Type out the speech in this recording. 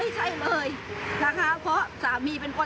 สวัสดีครับ